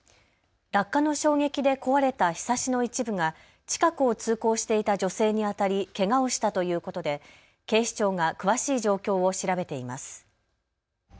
落下の衝撃で壊れたひさしの一部が近くを通行していた女性に当たりけがをしたということで警視庁が詳しい状況を調べています。